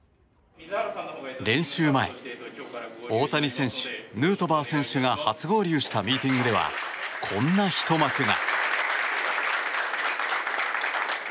練習前大谷選手、ヌートバー選手が初合流したミーティングではこんなひと幕が。